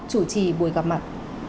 chủ trì buổi gặp mặt